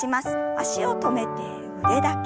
脚を止めて腕だけ。